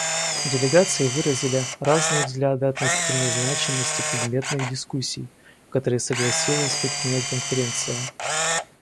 Делегации выразили разные взгляды относительно значимости предметных дискуссий, которые согласилась предпринять Конференция.